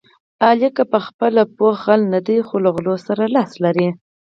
علي که په خپله پوخ غل نه دی، خو له غلو سره لاس لري.